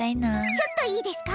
ちょっといいですか？